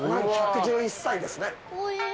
満１１１歳ですね。